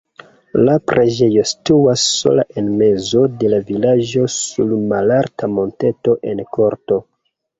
La preĝejo situas sola en mezo de la vilaĝo sur malalta monteto en korto.